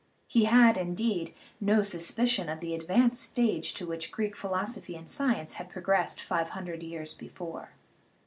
He had, indeed, no suspicion of the advanced stage to which Greek philosophy and science had pro gressed five hundred years before.